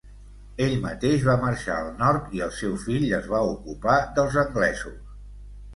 Ell mateix va marxar al nord i el seu fill es va ocupar dels anglesos.